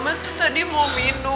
dana nasib standard itu benar